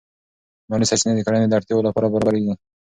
مالی سرچینې د کورنۍ د اړتیاوو لپاره برابرېږي.